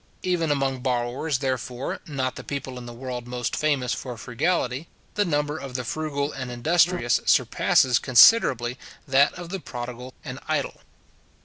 Even among borrowers, therefore, not the people in the world most famous for frugality, the number of the frugal and industrious surpasses considerably that of the prodigal and idle.